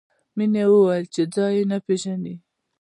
مینې وویل چې ځای یې نه پېژني